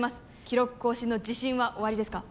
記録更新の自信はおありですか？